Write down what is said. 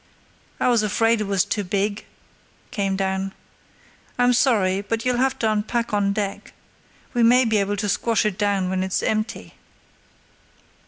"I was afraid it was too big," came down; "I'm sorry, but you'll have to unpack on deck—we may be able to squash it down when it's empty."